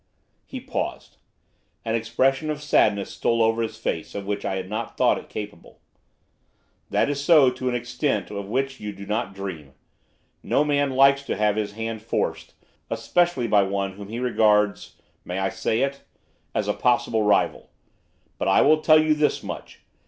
He paused. An expression of sadness stole over his face of which I had not thought it capable. 'That is so to an extent of which you do not dream. No man likes to have his hand forced, especially by one whom he regards may I say it? as a possible rival. But I will tell you this much.